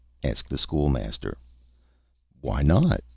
asked the School Master. "Why not?"